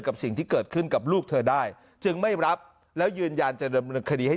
กับสิ่งที่เกิดขึ้นกับลูกเธอได้จึงไม่รับแล้วยืนยันจะดำเนินคดีให้